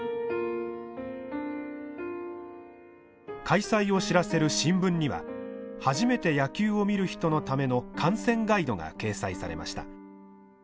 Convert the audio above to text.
開催を知らせる新聞には初めて野球を見る人のための観戦ガイドが掲載されました。